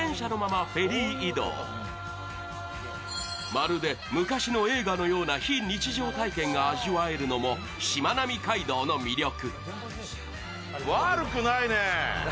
まるで昔の映画のような非日常体験が味わえるのもしまなみ海道の魅力。